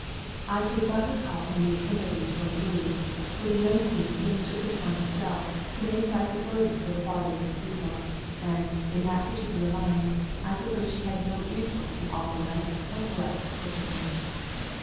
I could not but recall Henry's sympathy toward Louis, for the young queen soon took it upon herself to make life a burden to the Father of his People; and, in that particular line, I suppose she had no equal in all the length and breadth of Christendom.